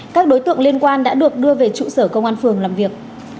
các đối tượng liên quan đã được đưa về trụ sở công an phường làm việc